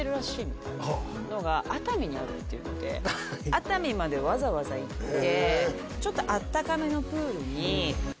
熱海までわざわざ行って。